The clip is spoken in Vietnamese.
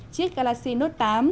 chiếc galaxy note tám